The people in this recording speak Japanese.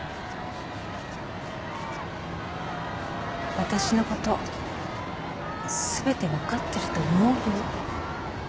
私のこと全て分かってると思う？